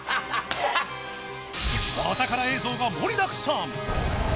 お宝映像が盛りだくさん。